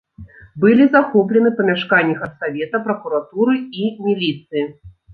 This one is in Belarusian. Былі захоплены памяшканні гарсавета, пракуратуры і міліцыі.